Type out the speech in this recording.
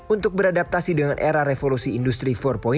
untuk beradaptasi dengan era revolusi industri empat